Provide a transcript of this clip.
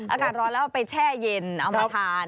อากาศร้อนแล้วเอาไปแช่เย็นเอามาทาน